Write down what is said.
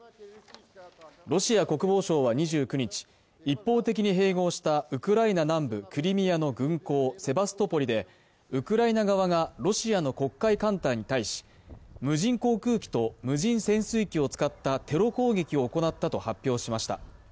ロシア国防省は２９日、一方的に併合したウクライナ南部クリミアの軍港セバストポリでウクライナ側がロシアの黒海艦隊に対し、無人航空機と無人潜水機を使ったテロ攻撃を行ったと発表しました。